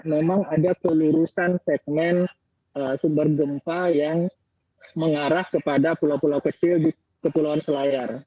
memang ada kelurusan segmen sumber gempa yang mengarah kepada pulau pulau kecil di kepulauan selayar